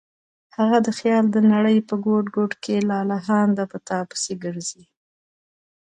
هغه د خیال د نړۍ په ګوټ ګوټ کې لالهانده په تا پسې ګرځي.